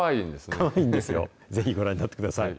かわいいんですよ、ぜひご覧になってください。